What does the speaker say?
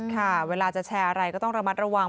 ค่ะเวลาจะแชร์อะไรก็ต้องระมัดระวัง